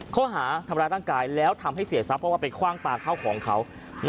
เขาหาธรรมดาตั้งกายแล้วทำให้เสียทรัพย์เพราะว่าไปคว้างตาเข้าของเขา